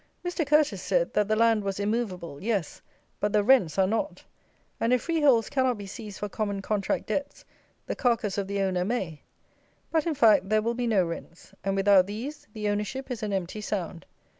Mr. Curteis said, that the land was immovable; yes; but the rents are not. And, if freeholds cannot be seized for common contract debts, the carcass of the owner may. But, in fact, there will be no rents; and, without these, the ownership is an empty sound.